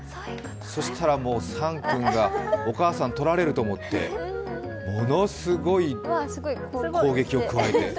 そしたらもうサンくんがお母さんとられると思ってものすごい攻撃を加えて。